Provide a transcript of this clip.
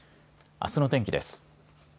あすの天気です。